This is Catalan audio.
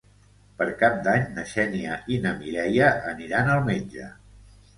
Per Cap d'Any na Xènia i na Mireia aniran al metge.